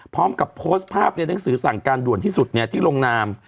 พร้อมกับโพสต์ภาพในหนังสือสั่งการด่วนที่สุดที่ลงนาม